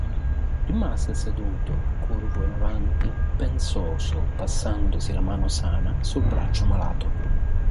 Rimase seduto, curvo in avanti, pensoso, passandosi la mano sana sul braccio malato.